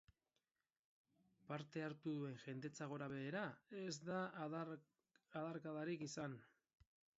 Parte hartu duen jendetza gorabehera, ez da adarkadarik izan.